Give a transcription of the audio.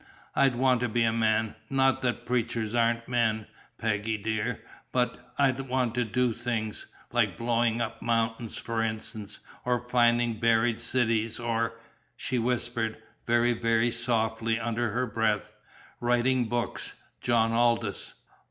I'd want to be a man, not that preachers aren't men, Peggy, dear but I'd want to do things, like blowing up mountains for instance, or finding buried cities, or" she whispered, very, very softly under her breath "writing books, John Aldous!"